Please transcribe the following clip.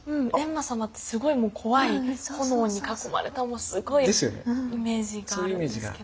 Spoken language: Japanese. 閻魔様ってすごい怖い炎に囲まれたすごいイメージがあるんですけど。